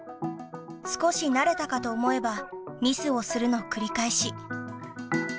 少し慣れたかと思えばミスをするの繰り返し。